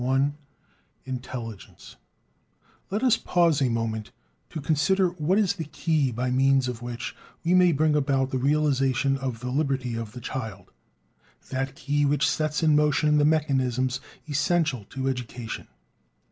VIII INTELLIGENCE Let us pause a moment to consider what is the "key" by means of which we may bring about the realization of the liberty of the child; that key which sets in motion the mechanisms essential to education.